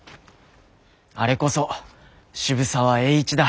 あれこそ渋沢栄一だ。